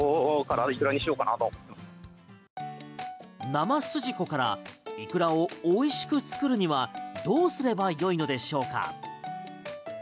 生すじこからイクラを美味しく作るにはどうすればよいのでしょうか？